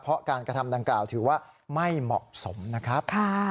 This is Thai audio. เพราะการกระทำดังกล่าวถือว่าไม่เหมาะสมนะครับ